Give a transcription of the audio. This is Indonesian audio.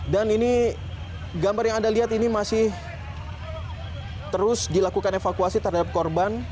dan ini gambar yang anda lihat ini masih terus dilakukan evakuasi terhadap korban